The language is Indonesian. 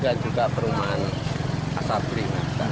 dan juga perumahan asapri